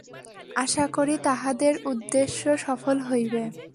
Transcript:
আশা করি, তাঁহাদের উদ্দেশ্য সফল হইবে।